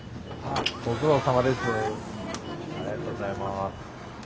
ありがとうございます。